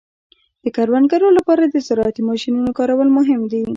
د کروندګرو لپاره د زراعتي ماشینونو کارول مهم دي.